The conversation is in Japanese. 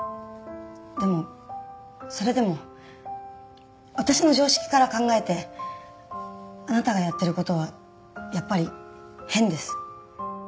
でもそれでも私の常識から考えてあなたがやってる事はやっぱり変です。